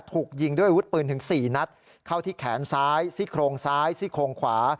ถูกยิงด้วยวุฒิปืนถึง๔นัดเข้าที่แขนซ้ายซี่โครงซ้ายซี่โครงขวา